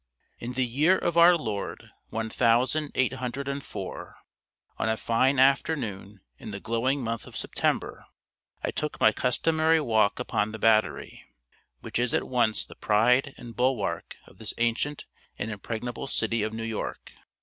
In the year of our Lord one thousand eight hundred and four, on a fine afternoon in the glowing month of September, I took my customary walk upon the battery, which is at once the pride and bulwark of this ancient and impregnable city of New York.